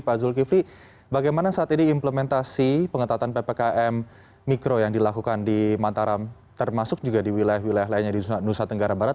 pak zulkifli bagaimana saat ini implementasi pengetatan ppkm mikro yang dilakukan di mataram termasuk juga di wilayah wilayah lainnya di nusa tenggara barat